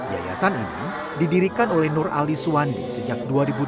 yayasan ini didirikan oleh nur ali suwandi sejak dua ribu delapan